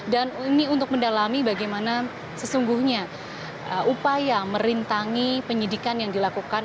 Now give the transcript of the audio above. dan ini untuk mendalami bagaimana sesungguhnya upaya merintangi penyidikan yang dilakukan